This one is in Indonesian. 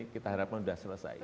kita harapkan sudah selesai